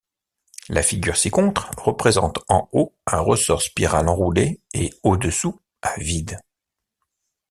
La figure ci-contre représente en haut un ressort spiral enroulé et au-dessous, à vide.